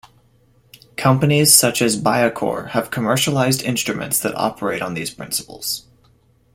Companies such as Biacore have commercialized instruments that operate on these principles.